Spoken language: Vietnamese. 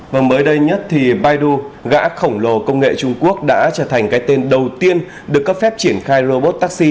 và mới đây nhất thì biden gã khổng lồ công nghệ trung quốc đã trở thành cái tên đầu tiên được cấp phép triển khai robot taxi